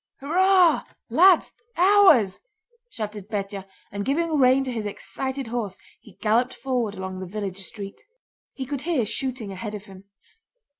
"Hurrah!... Lads!... ours!" shouted Pétya, and giving rein to his excited horse he galloped forward along the village street. He could hear shooting ahead of him.